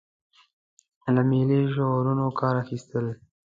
له ملي شعارونو کار اخیستل.